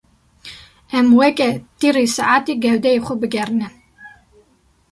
Em weke tîrê saetê gewdeyê xwe bigerînin.